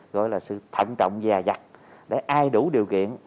gọi là sự thận trọng và giặt để ai đủ điều kiện